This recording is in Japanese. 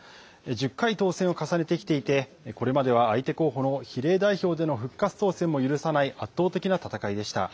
１０回当選を重ねてきていて、これまでは相手候補の比例代表での復活当選も許さない圧倒的な戦いでした。